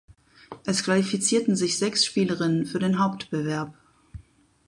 Es qualifizierten sich sechs Spielerinnen für den Hauptbewerb.